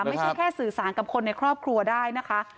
ไม่ใช่แค่สื่อสารกับคนในครอบครัวได้นะคะ